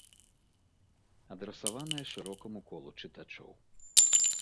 Адрасаванае шырокаму колу чытачоў.